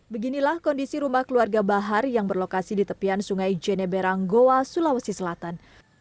beginilah kondisi rumah keluarga bahar yang berlokasi di tepian sungai jeneberang goa sulawesi selatan